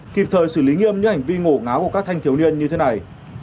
kịp thời xử lý nghiêm những hành vi ngổ ngáo của các thanh thiếu niên như thế này